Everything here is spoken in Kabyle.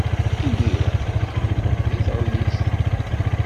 Imir-a, aql-ikent deg tɣellist.